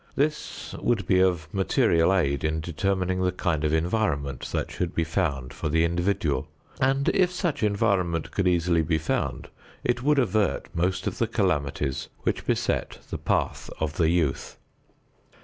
This would be of material aid in determining the kind of environment that should be found for the individual, and if such environment could be easily found it would avert most of the calamities which beset the path of the youth.